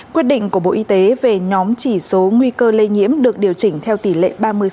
quyết định của bộ y tế về nhóm chỉ số nguy cơ lây nhiễm được điều chỉnh theo tỷ lệ ba mươi